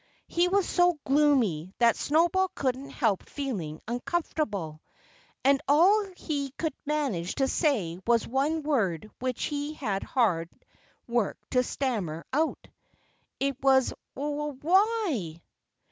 He was so gloomy that Snowball couldn't help feeling uncomfortable. And all he could manage to say was one word which he had hard work to stammer out. It was "W w why?"